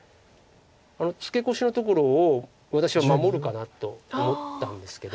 あのツケコシのところを私は守るかなと思ったんですけど。